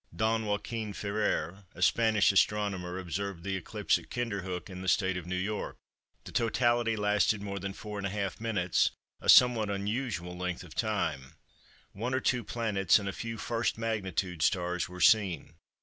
Don Joachin Ferrer, a Spanish astronomer, observed the eclipse at Kinderhook in the State of New York. The totality lasted more than 4½ m.—a somewhat unusual length of time. One or two planets and a few 1st magnitude stars were seen.